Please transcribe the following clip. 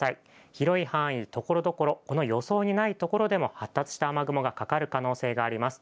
広い範囲、ところどころ、この予想にないところでも発達した雨雲がかかる可能性があります。